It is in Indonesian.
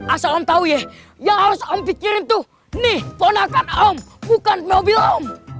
asal entah wih yang harus om pikirin tuh nih ponakan om bukan mobil om